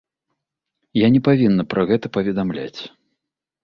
Я не павінна пра гэта паведамляць.